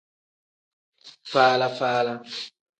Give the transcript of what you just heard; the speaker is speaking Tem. Faala-faala.